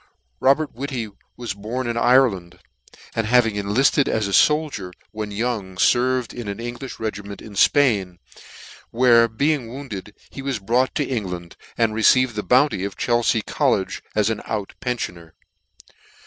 ROBERT WHITTY was born in Ireland, and having enlifted for a foldier when young, ferved in an Englifh regiment in Spain, where being wounded, he was brought to England, and re ceived the bounty of Chelfea college as an out penfioner.